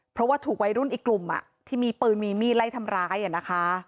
เพราะว่าถูกวัยรุ่นอีกกลุ่มที่มีปืนมีมีดไล่ทำร้ายนะคะ